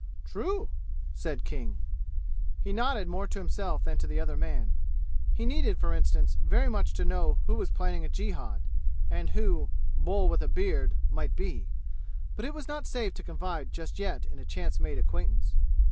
"True!" said King. He nodded more to himself than to the other man. He needed, for instance, very much to know who was planning a jihad, and who "Bull with a beard" might be; but it was not safe to confide just yet in a chance made acquaintance.